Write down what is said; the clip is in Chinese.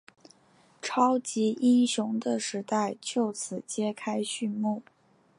超级英雄的时代就此揭开序幕。